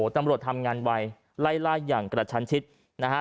ตำรวจทำงานไวไล่ล่าอย่างกระชันชิดนะฮะ